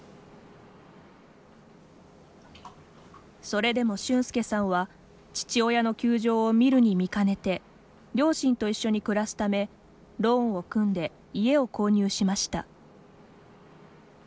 それでも俊介さんは父親の窮状を見るに見かねて両親と一緒に暮らすためローンを組んで家を購入しました。